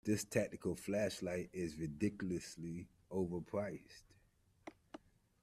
This tactical flashlight is ridiculously overpriced.